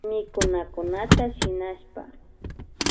Mikunakunata shinashpa